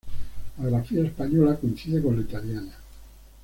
La grafía española coincide con la italiana.